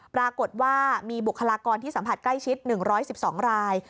ปรากฏว่ามีบุคลากรที่สัมผัสใกล้ชิด๑๑๒ราย